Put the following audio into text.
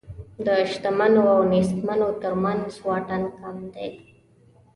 د شتمنو او نېستمنو تر منځ واټن کم دی.